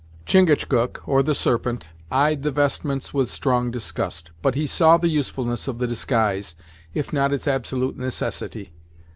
Chingachgook, or the Serpent, eyed the vestments with strong disgust; but he saw the usefulness of the disguise, if not its absolute necessity.